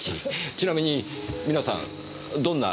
ちなみに皆さんどんな楽器を？